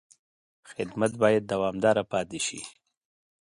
خدمت باید دوامداره پاتې شي.